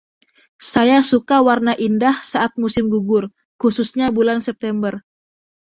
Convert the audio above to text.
Saya suka warna indah saat musim gugur, khususnya bulan September